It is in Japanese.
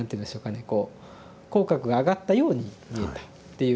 こう口角が上がったように見えたっていうのをこう見てですね